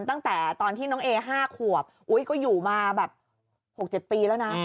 ตั้งแต่ตอนที่น้องเอ๕ขวบอุ๊ยก็อยู่มาแบบ๖๗ปีแล้วนะ